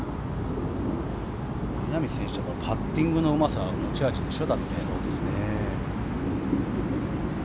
稲見選手はパッティングのうまさが持ち味でしょ？